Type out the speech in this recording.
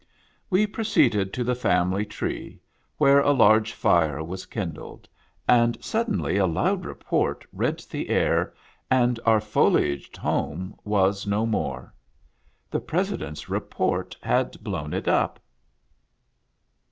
We proceeded to the Family Tree, where a large fire was kindled, and suddenly a loud report rent the air, and our foliaged home was no more. The President's Report had blown it up